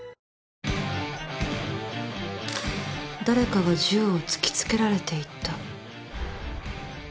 誰かが銃を突き付けられていた。